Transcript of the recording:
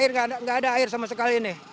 tidak ada air sama sekali ini